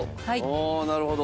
おなるほど。